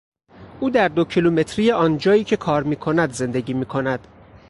او در دو کیلومتری آنجایی که کار میکند زندگی میکند.